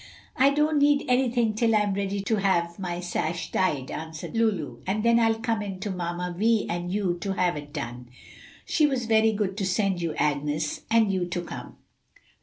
"I don't need anything till I'm ready to have my sash tied," answered Lulu, "and then I'll come in to Mamma Vi and you to have it done. She was very good to send you, Agnes, and you to come."